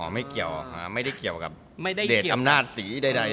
ไม่เกี่ยวไม่ได้เกี่ยวกับเดทอำนาจสีใด